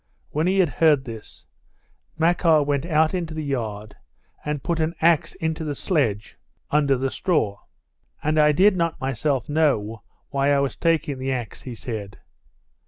When he had heard this, Makar went out into the yard and put an axe into the sledge under the straw. "And I did not myself know why I was taking the axe," he said.